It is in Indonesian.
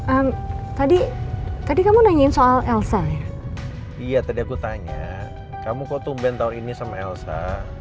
an tadi tadi kamu nanyain soal elsa ya tadi aku tanya kamu kok tumben tahun ini sama elsa